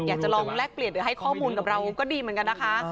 อยากจะลองแลกเปลี่ยนหรือให้ข้อมูลกับเราก็ดีเหมือนกันนะคะ